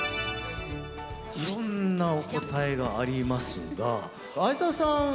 いろんなお答えがありますが會澤さん